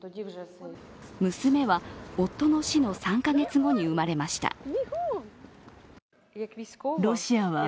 娘は夫の死の３カ月後に生まれました。